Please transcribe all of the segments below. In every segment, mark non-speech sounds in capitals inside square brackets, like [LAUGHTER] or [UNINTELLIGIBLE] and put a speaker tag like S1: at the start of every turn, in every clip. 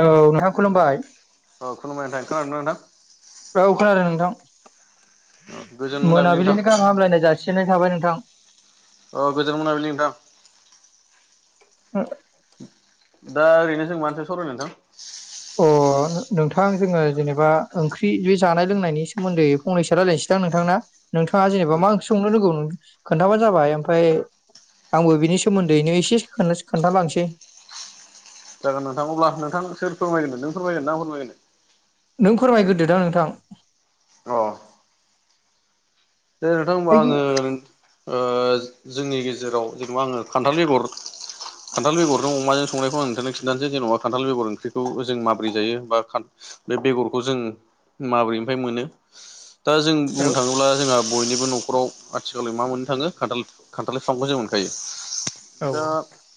S1: औ नोंथां खुलुमबाय
S2: औ खुलुमबाय नोंथां खोनादोंना नोंथां
S1: औ खोनादों नोंथां
S2: गोजोन मोनाबिलि नोंथां
S1: मोनाबिलिनि गाहाम हामलायनाय जासिननाय थाबाय नोंथां।
S2: औ गोजोन मोनाबिलि नोंथां।
S1: हम
S2: दा ओरैनो जों मानि सायाव सावरायनो नोंथां?
S1: अ नोंथां जोङो जेनेबा ओंख्रि बे जानाय लोंनायनि सोमोन्दै फनैसो रायलायनोसैदां नोंथां ना नोंथाङा जेनेबा मा ओंख्रि संनो रोंगौ नों खोनथाबानो जाबाय ओमफ्राय आंबो बिनि सोमोन्दैनो एसे खोन्थालांसै।
S2: जागोन नोंथां अब्ला नोंथां सोर फोरमायगोन नों फोरमायगोन ना फोरमायगोन।
S1: नों फोरमायग्रोदोदां नोंथां।
S2: अ दे नोंथां होनबा आंडो ओ जोंनि गेजेराव जेन'बा आङो खान्थाल बेगर खान्थाल बेगरजों अमाजों संनायखौ आं नोंथांनो खिन्थानोसै जेन'बा खान्थाल बेगर ओंख्रिखौ जों माबोरै जायो बा बे बेगरखौ जों माब्रैनिफ्राय मोनो दा जों बुंनो थाङोब्ला जोंहा बयनिबो न'खराव आथिखालै मा मोननो थाङो खान्थाल बिफांखौ जों मोनखायो।
S1: औ
S2: दा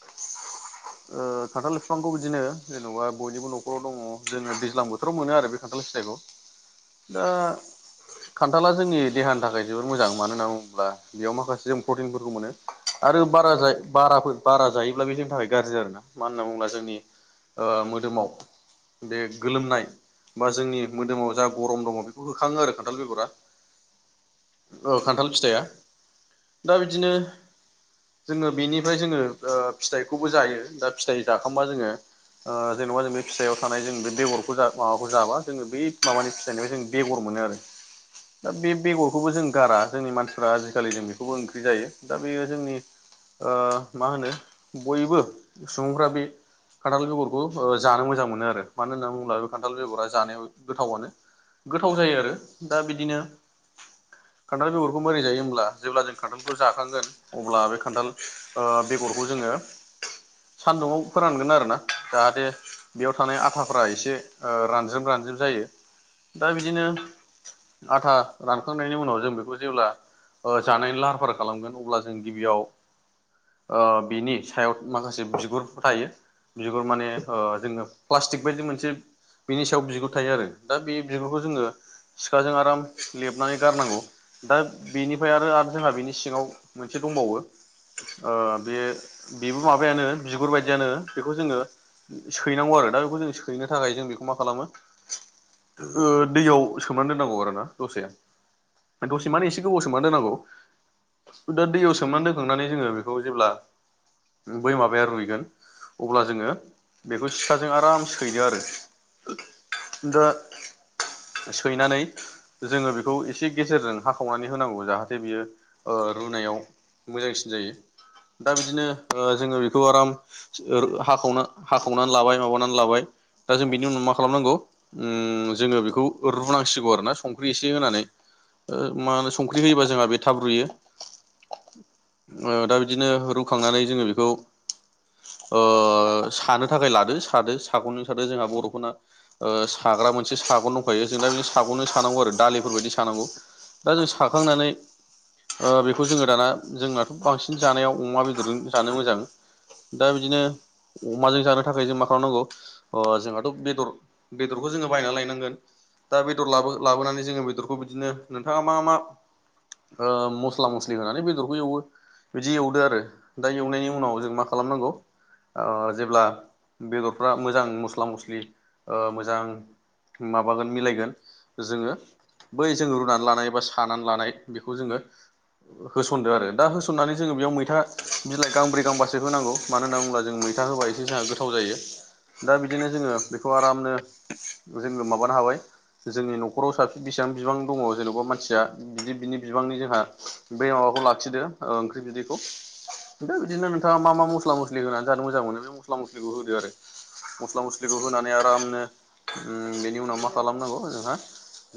S1: [INAUDIBLE]
S2: ओ खन्थाल बिफांखौ बिदिनो जेन'बा बयनिबो न'खराव दङ जोङो दैज्लां बोथो राव मोनो आरो बे खान्थाल फिथाइखौ दा खान्थाला जोंनि देहानि थाखाय जोबोर मोजां मानो होनना बुङोब्ला बेयाव माखासे जों प्रटिनफोरखौ मोनो आरो बारा जाय बाराफोर बारा जायोब्ला बे जोंनि थाखाय गाज्रि आरोना मानो होनना बुङोब्ला जोंनि मोदोमाव बे गोलोमनाय बा जोंनि मोदोमाव जा गरम दङ बेखौ होखाङो आरो खान्थाल बेगरा। ओ खान्थाल फिथाइया दा बिदिनो जोङो बेनिफ्राय जोङो ओ फिथाइखौबो जायो दा फिथाइ जाखांबा जोङो ओ जेन'बा जों बे फिथाइयाव थानाय जों बेगरखौ जा माबाखौ जाबा जोङो बेै माबानि फिथाइनिफ्राय जों बेगर मोनो आरो दा बे बेगरखौबो जों गारा जोंनि मानसिफ्रा आजिखालि जों बेखौबो ओंख्रि जायो दा बेयो जोंनि ओ मा होनो बयबो सुबुंफ्रा बे खान्थाल बेगरखौ ओ जानो मोजां मोनो आरो मानो होनना बुङोब्ला बे खान्थाल बेगरा जानायाव गोथावानो। गोथाव जायो आरो दा बिदिनो खान्थाल बेगरखौ मोरै जायो होमब्ला जेब्ला जों खान्थालखौ जाखांगोन अब्ला बे खान्थाल ओ बेगरखौ जोङो सान्दुङाव फोरानगोन आरो ना जाहाथे बेयाव थानाय आथाफ्रा एसे रानज्रोम रानज्रोम जायो दा बिदिनो आथा रानखांनायनि उनाव जों बेखौ जेब्ला जानायनि लाहार फाहार खालामगोन अब्ला जों गिबियाव ओ बिनि सायाव माखासे बिगुरफोर थायो बिगुर माने जोङो प्लास्टिक बायदि मोनसे बेनि सायाव बिगुर थायो आरो दा बे बिगुरखौ जोङो सिखाजों आराम लेबनानै गारनांगौ। दा बेनिफ्राय आरो आरो जोंहा बिनि सिङाव मोनसे दंबावो ओ बे बेबो माबायानो बिगुर बायदियानो बेखौ जोङो सैनांगौ आरो दा बेखौ जों सैनो थाखाय जों बेखौ मा खालामो ओ दैयाव सोमनानै दोननांगौ आरो ना दसे। दसे माने एसे गोबाव सोमना दोनांगौ। दा दैयाव सोमनानै दोनखांनानै जोङो बेखौ जेब्ला बै माबाया रुइगोन अब्ला जोङो बेखौ सिखाजों आराम सैदो आरो दा सैनानै जोङो बेखौ एसे गेजेरजों हाखावनानै होनांगौ जाहाथे बियो ओ रुनायाव मोजांसिन जायो। दा बिदिनो ओ जोङो बेखौ आराम हाखाव हाखावनानै लाबाय माबानानै लाबाय दा जों बेनि उनाव मा खालामनांगौ ओम जोङो बेखौ रुनांसिगौ आरोना संख्रि एसे होनानै। ओ मा होनो संख्रि होयोबा जोंहा बे थाब रुयो। ओ दा बिदिनो रुखांनानै जोङो बेखौ ओ सानो थाखाय लादो सादो सागनजों सादो जोंहा बर'फोरना ओ साग्रा मोनसे साग' दंखायो जों दा बि साग'नो सानांगौ आरो दालिफोर बायदि सानांगौ दा जों साखांनानै ओ बेखौ जोङो दाना जोंनाथ' बांसिन जानायाव अमा बेदरजों जानो मोजां दा बिदिनो अमाजों जानो थाखाय जों मा खालामनांगौ ओ जोंहाथ' बेदर बेदरखौ जोङो बायनानै लायनांगोन दा बेदर लाबो लाबोनानै जोङो बेदरखौ बिदिनो नोंथाङा मा मा ओ मस्ला मस्लि होनानै बेदरखौ एवो बिदि एवदो आरो। दा एवनायनि उनाव जों मा खालामनांगौ? ओ जेब्ला बेदरफ्रा मोजां मस्ला मस्लि ओ मोजां माबागोन मिलायगोन जोङो बै जोङो रुनानै लानाय बा सानानै लानाय बेखौ जोङो होसनदो आरो दा होसननानै जोङो बेयाव मैथा बिलाइ गांब्रै गांबासो होनांगौ। मानो होनना बुङोब्ला जों मैथा होबा एसे जोंहा गोथाव जायो। दा बिदिनो जोङो बेखौ आरामनो जोङो माबानो हाबाय जोंनि न'खराव साबसिन बेसेबां बिबां दङ जेन'बा मानसिया बिदि बिनि बिबांनि जोंहा बे माबाखौ लाखिदो ओ ओंख्रि बिदैखौ। दा बिदिनो नोंथाङा मा मा मस्ला मस्लि होनानै जानो मोजां मोनो बे मस्ला मस्लिखौ होदो आरो। मस्ला मस्लिखौ होनानै आरामनो ओम बेनि उनाव मा खालामनांगौ जोंहा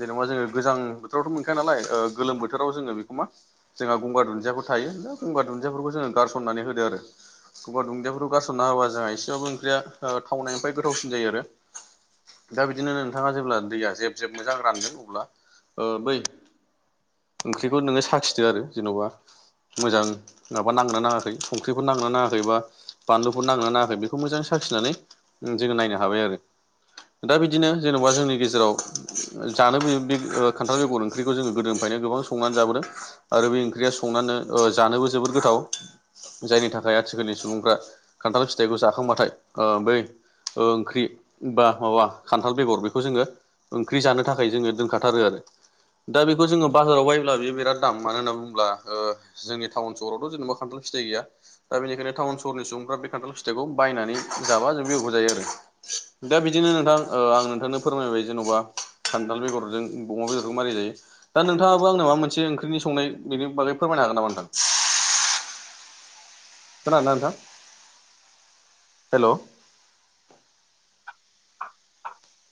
S2: जेनोबा जोङो गोजां बोथोरावथ' मोनखाया नालाय ओ गोलोम बोथोराव जोङो बेखौ मा जोंहा गंगार दुन्दियाफोर थायो गंगार दुन्दियाफोरखौ जोङो गारसननानै होदो आरो। गंगार दुदियाफोरखौ गारसनना होबा जोंहा एसेबाबो ओंख्रिया थावनायनिफ्राय गोथावसिन जायो आरो। दा बिदिनो नोंथाङा जेब्ला दैया जेब जेब मोजां रानदों अब्ला ओ बै ओंख्रिखौ नोङो साखिदो आरो जेन'बा। मोजां माबा नांगोनना नाङाखै संख्रिफोर नांगोनना नाङाखैबा बानलुखौ नांगोनना नाङाखै बेखौ मोजाङै साखिनानै ओं जोङो नायनो हाबाय आरो। दा बिदिनो जेन'बा जोंनि गेजेराव जानोबोयो बे खान्थाल बेगर ओंख्रिखौ जोङो गोदोनिफ्रायनो गोबां संनानै जाबोदों आरो बे ओंख्रिया संनानै ओ जानोबो जोबोद गोथाव जायनि थाखाय आथिखालनि सुबुंफ्रा खान्थाल फिथाइखौ जाखांबाथाय ओ बै ओ ओंख्रि बा माबा खान्थाल बेगर बेखौ जोङो ओंख्रि जानो था खाय जोङो दोनखाथारो आरो दा बेखौ जोङो बाजाराव बायोब्ला बियो बिराद दाम मानो होनना बुङोब्ला ओ जोंनि थावन सहरावथ' जेनोबा खान्थाल फिथाय गैया। दा बेनिखायनो टाउन सहरनि सुबुंफ्रा बे खान्थाल फिथाइखौ बायनानै जाबा जों [UNINTELLIGIBLE] जायो आरो। दा बिदिनो नोंथां ओ आं नोंथांनो फोरमायबाय जेन'बा खान्दाल बेदरजों अमा बेदरजों मारै जायो? दा नोंथाङाबो आंनो माबा मोनसे ओंख्रिनि संनाय बेनि बागै फोरमायनो हागोन नामा नोंथां? खोनादोंना नोंथां? हेल'!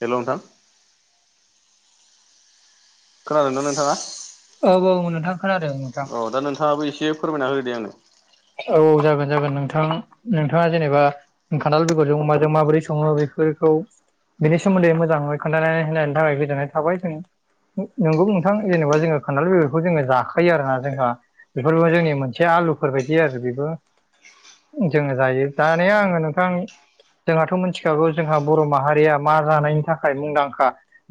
S2: हेल' नोंथां! खोनादोंना नोंथाङा?
S1: औ औ नोंथां खोनादों नोंथां
S2: औ दा नोंथाङाबो एसे फोरमायना होदो आंनो।
S1: औ जागोन जागोन नोंथां नोंथाङा जेनोबा खान्थाल बेगरजों अमाजों माबोरै सङो बेफोरखौ बेनि सोमोन्दै मोजाङै खोन्थानाय होनायनायनि थाखाय गोजोननाय थाबाय। जों नंगौ नोंथां जेनोबा जोङो खान्थाललि बेबरखौ जोङो जाखायो आरोना जोंहा। बेफोरबो जोंनि मोनसे आलुफोरबायायदि आरो बेबो। जोङो जायो। दानिया आङो नोंथां जोंहाथ' मिथिखागौ जोंहा बर' माहारिया मा जानायनि थाखाय मुंदांखा?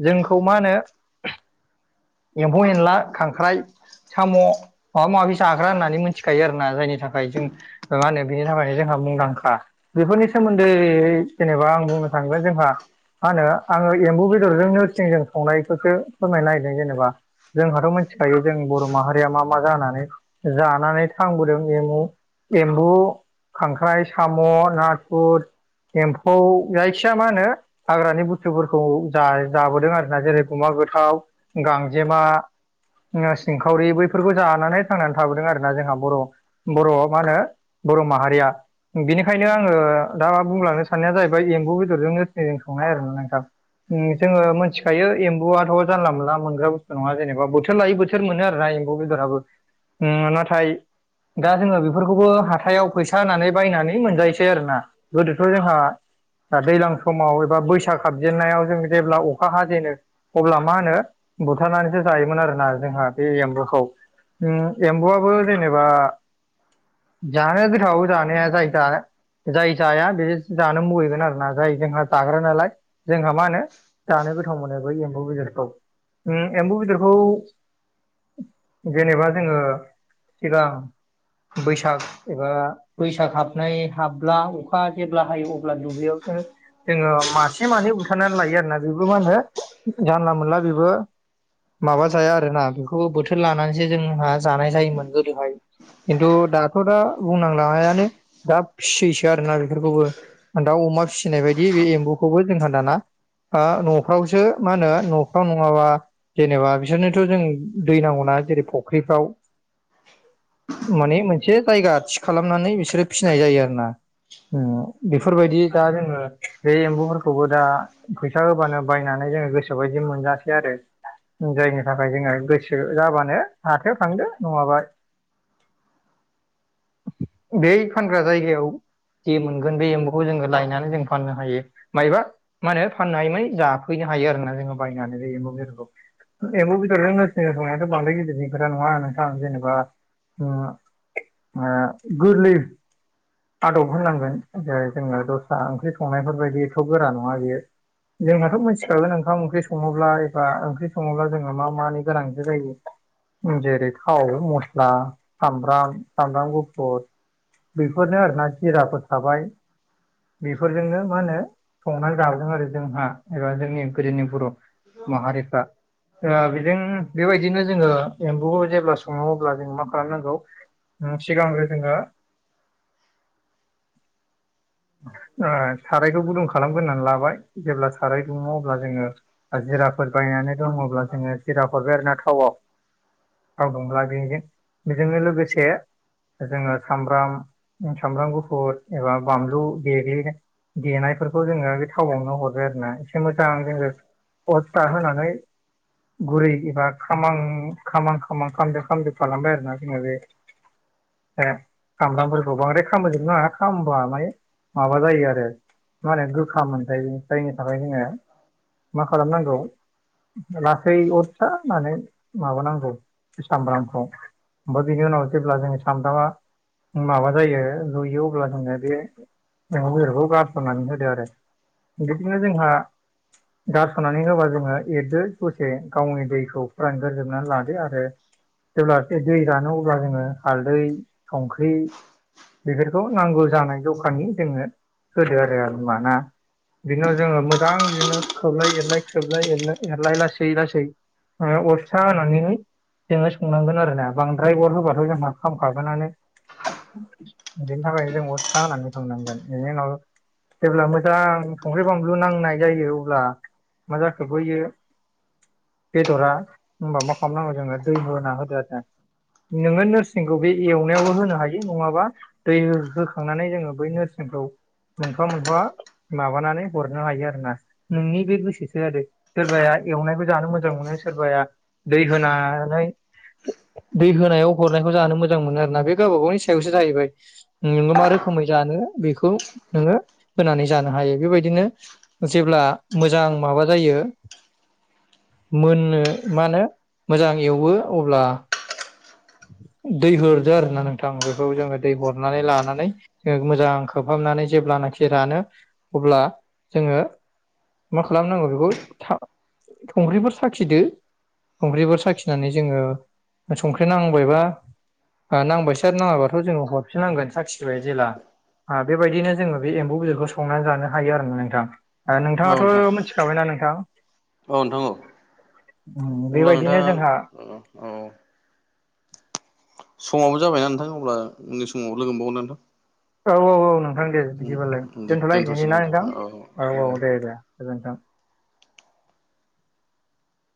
S1: जोंखौ मा होनो? एम्फौ एनला खांख्राइ साम' माबा माबि जाग्रा होननानै मिथिखायो आरो जायनि थाखाय जों मा होनो बेनि थाखाय जोंहा मुंदांखा। बेफोरनि सोमोन्दै जेनेबा आं बुंनो थाङोब्ला जोंहा मा होनो, आङो एम्बु बेदरजों नोरसिंजों संनायखौसो फोरमायनो नागिरदों जेनेबा- जोंहाथ' मिथिखायो जों बर' माहारिया मा मा जानानै जानानै थां गुरदोम एमु एम्बु खांख्राइ साम' नाथुर एम्फौ जायखि मा होनो- हाग्रानि बुस्थुफोरखौ जाबोदों आरोना जेरै गुमा गोथाव गांजेमा सिंखावरि बैफोरखौ जानानै थांनानै थाबोदों आरोना जोंहा बर' बर' मा होनो बर' माहारिया। बेनिखायनो आङो दा बुंलांनो साननाया जाहैबाय एम्बु बेदरजों नोरसिजों संनाय आर ना नोंथां। जोङो मोन्थिखायो एम्बुआथ' जानला मोनला मोनग्रा बुस्थु नङा जेनेबा बोथोर लायै बोथोर बिसोर मोनो आरोना एमबु बेदराबो ओम नाथाय दा जोङो बेफोरखौबो हाथायाव फैसा होनानै बायनानै मोनजायोसै आरोना। गोदोथ' जोंहा दा दैलां समाव एबा बैसाग हाबजेननायाव जों जेब्ला अखा हाजेनो अब्ला मा होनो बुथारनानैसो जायोमोन आरोना जोंहा बे एम्बुखौ। उम एम्बुआबो जेनेबा जानाया गोथाव जानाया जाहैबाय- जाय जाया बे जानो मुहैगोन आरोना जाय जोंहा जाग्रा नालाय जोंहा मा होनो- जानो गोथाव मोनो बै एम्बु बेदरखौ। उम एम्बु बेदरखौ जेनेबा जोङो सिगां बैसाग एबा बैसाग हाबनाय हाबब्ला अखा जेब्ला हायो अब्ला दुब्लियाव जों- जोङो मासे मानै बुथारनानै लायो आरोना बेबो मा होनो जानला मोनला बेबो माबा जाया आरोना बेखौबो बोथोर लानानैसो जोंहा जानाय जायोमोन गो हाय खिन्थु दाथ' दा बुंनांला हायानो। दा फिसियैसो आरोना बेफोरखौबो दाउ अमा फिसिनाय बायदि बे एम्बुखौबो जोंहा दाना आं न'फ्रावसो मा होनो न'फ्राव नङाबा जेनेबा बिसोरनोथ' जों दै नांगौना जेरै फख्रिफ्राव
S2: [INAUDIBLE]
S1: माने मोनसे जायगा थि खालामनानै बिसोरो फिसिनाय जायो आरो ना। बेफोरबायदि दा जोङो बे एम्बुफोरखौबो दा फैसा होबानो बायनानै जोङो गोसो बायदि मोनजासै आरो। जायनि थाखाय जोङो गोसो जाबानो हाथायाव थांदो नङाबा बे फानग्रा जायगायाव जे मोनगोन बे एम्बुखौ जोङो लायनानै जों फाननो हायो मायबा मा होनो फाननानै जाफैनो हायो आरोना जोङो बायनानै जों एमबु बेदरखौ। एमबु बेद'रजों नोरसिजों संनायाथ' बांद्राय गिदिरनि खोथा नङा आरो ना जेनेबा अ आ गोरलि आदब होननांगोन। जेरै जोङो दस्रा ओंख्रि संनायफोरबायदिथ' गोरा नङा बियो। जोंनाथ' मिथिखागोन ओंखाम ओंख्रि सङोब्ला एबा ओंख्रि सङोब्ला जोङो मा मानि गोनांथि जायो। जेरै- थाव मस्ला सामब्राम सामब्राम गुफुर बेफोरनो आरोना जिराफोर थाबाय बेफोरजोंनो मा होनो संनानै जादों आरो जोंहा एबा जोंनि गोदोनि बर' माहारिफ्रा। ओ बेजों बेबायदिनो जोङो एम्बुखौ जेब्ला सङो अब्ला जों मा खालामनांगौ सिगांग्रो जोङो [INAUDIBLE] ओ सारायखौ गुदुं खालामग्रोनानै लाबाय जेब्ला साराय दुंङो अब्ला जोङो जिराफोर बायनानै दङब्ला जोङो जिरा हरबाय आरोना थावआव थाव दुंब्ला बेजों बेजोंनो लोगोसे जोङो सामब्राम सामब्राम गुफुर एबा बानलु देग्लिना देनायफोरखौ जोङो बे थावनावनो हरो आरो ना। मोजां जोङो अस्था होनानै गुरै एबा खामां खामां खामां खामदोब खामदोब खालामबाय आरोना जोङो बे सामब्रामफोरखौ बांद्राय खालामामोजोब नाङा खामबा मानि माबा जायो आरो मा होनो गोखा मोनजायो जायनि थाखाय जोङो मा खालामनांगौ लासै अर फिसा होनानै माबानांगौ सामब्रामखौ ओमफ्राय बिनि उनाव जेब्ला जों सामब्रामा माबा जायो जयो अब्ला जोङो बे बेदरखौ गारस'ननानै होदो आरो बिदिनो जोंहा गारस'ननानै होबा जोङो एरदो ‌एसे गावनि दैखौ फुरानग्रोजोबनानै लादो आरो जेब्ला बे दै रानो अब्ला जोङो हालदै संख्रि बेफोरखौ नांगौ जानाय दखानि जोङो होदो आरो आरो होमबा ना। बिदिनाव जोङो मोजां बिदिनो खोबलाय एरलाय खोबलाय एराय एरलाय लासै लासै अर फिसा होनानैहै जोङो संनांगोन आरोना बांद्राय गर होबाथ' जोंहा खामखागोनानो बिनि थाखायनो जोंबो फिसा होनानै थांनांगोन बेनि उनाव जेब्ला मोजां संख्रि बानलु नांनाय जायो अब्ला मा जाखोबोयो बेदरा होनबा मा खालामनांगौ जोङो दै होना होदो आरो दा नोङो नोरसिंखौ बे एवनायावबो होनो हायो नङाबा दै होखांनानै जोङो बै नोरसिंखौ मोनफा मोनफा माबानानै हरनो हायो आरो ना नोंनि बे गोसोसो आरो सोरबाया एवनायबो जानो मोजां मोनो सोरबाया दै होना दै होनायाव हरनायखौ जानो मोजां मोनो आरोोना बे गावबा गावनि सायावसो जाहैबाय नोङो मा रोखोमै जानो बेखौ नोङो होनानै जानो हायो बेबायदिनो जेब्ला मोजां माबा जायो मोननो मा होनो मोजां एवो अब्ला दै होरदो आरो ना नोंथां बेखौ जोङो दै हरनानै लानानै जोङो मोजां खोबहाबनानै जेब्लानाखि रानो अब्ला जोङो मा खालामनांगौ बेखौ था संख्रिफोर साखिदो संख्रिफोर साखिनानै जोङो ओमफ्राय नांबायबा नांबायसै आरो नाङाबाथ' जोङो हरफिननांगोन साखिबाय जेब्ला बेबायदिनो जोङो बे एम्बौ बिदौखौ संनानै जानो हायो आरो ना नोंथां
S2: औ नोंथां
S1: नोंथाङाथ' मिथिखाबायना नोंथां?
S2: औ नोंथां औ अब्ला
S1: बेबायदिनो
S2: नोंथाङा
S1: जोंहा
S2: औ समावबो जाबायना नोंथां अब्ला उननि समाव लोगो मोनबावगोन नोंथां
S1: औ औ औ नोंथां दे बिदिबालाय
S2: नोंथां दे
S1: दोनथ'लाय
S2: दोनथ'सै
S1: बेनि
S2: दे
S1: ना नोंथां औ औ दे दे गोजोनथों।